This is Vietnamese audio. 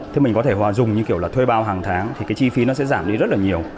thế mình có thể hòa dùng như kiểu là thuê bao hàng tháng thì cái chi phí nó sẽ giảm đi rất là nhiều